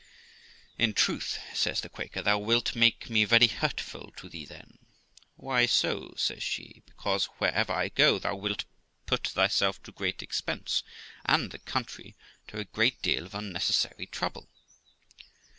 'In truth', says the Quaker, 'thou wilt make me very hurtful to thee, then.' 'Why so?' says she. 'Because wherever I go, thou wilt put thyself to great expense, and the country to a great deal of unnecessary trouble.'